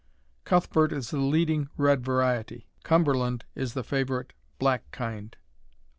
Cuthbert is the leading red variety. Cumberland is the favorite black kind.